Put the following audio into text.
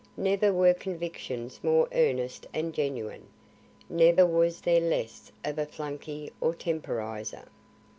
Never were convictions more earnest and genuine. Never was there less of a flunkey or temporizer.